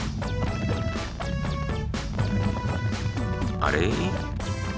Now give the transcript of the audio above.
あれ？